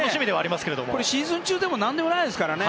シーズン中でも何でもないですからね